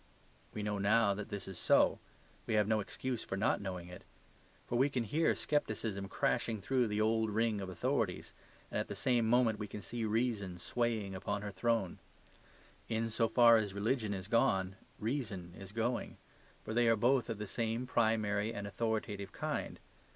We know now that this is so; we have no excuse for not knowing it. For we can hear scepticism crashing through the old ring of authorities, and at the same moment we can see reason swaying upon her throne. In so far as religion is gone, reason is going. For they are both of the same primary and authoritative kind.